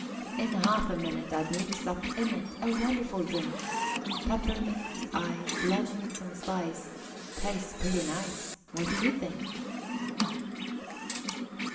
In half a minute I'd mix up in it A wonderful drink Peppermint, ice, Lemons and spice Taste pretty nice, What do you think?